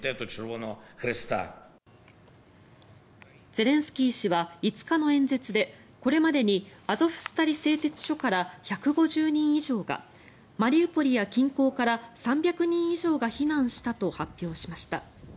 ゼレンスキー氏は５日の演説でこれまでにアゾフスタリ製鉄所から１５０人以上がマリウポリや近郊から３００人以上が避難したと発表しました。